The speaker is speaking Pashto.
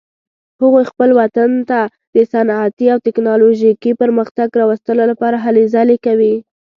هغوی خپل وطن ته د صنعتي او تکنالوژیکي پرمختګ راوستلو لپاره هلې ځلې کوي